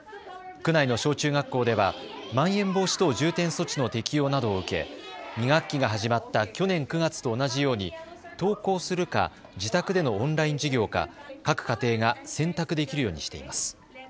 区内の小中学校ではまん延防止等重点措置の適用などを受け２学期が始まった去年９月と同じように登校するか自宅でのオンライン授業か各家庭が選択できるようにしています。